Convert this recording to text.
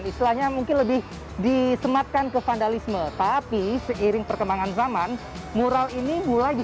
istilahnya mungkin lebih disematkan ke vandalisme tapi seiring perkembangan zaman mural ini mulai